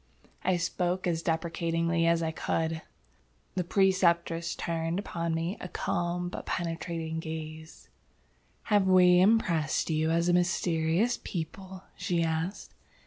I spoke as deprecatingly as I could. The Preceptress turned upon me a calm but penetrating gaze. "Have we impressed you as a mysterious people?" she asked.